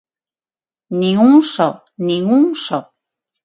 Nin un só, nin un só.